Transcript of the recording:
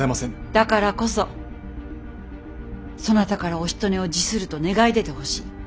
だからこそそなたからおしとねを辞すると願い出てほしい。